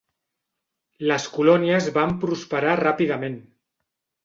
Les colònies van prosperar ràpidament.